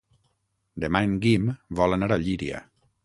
Demà en Guim vol anar a Llíria.